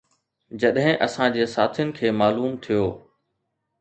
جڏهن اسان جي ساٿين کي معلوم ٿيو